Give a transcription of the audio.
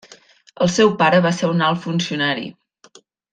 El seu pare va ser un alt funcionari.